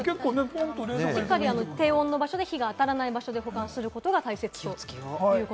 低温の場所で日が当たらない場所で、保管することが大切です。